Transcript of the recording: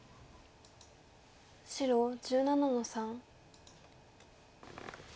白１７の三。